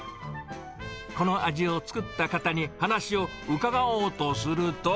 この味を作った方に話を伺おうとすると。